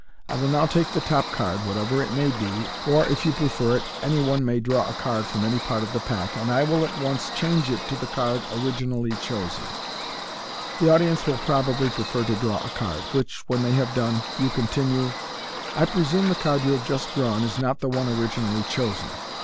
I will now take the top card, whatever it may be, or, if you prefer it, any one may draw a card from any part of the pack, and I will at once change it to the card originally chosen/* The audience will probably prefer to draw a card, which, when they have done, you continue, " I pre sume the card you have just drawn is not the one originally chosen.